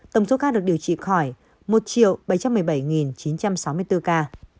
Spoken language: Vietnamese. tổng số ca được điều trị khỏi một bảy trăm một mươi bảy chín trăm sáu mươi bốn ca